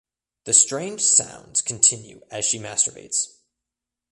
The strange sounds continue as she masturbates.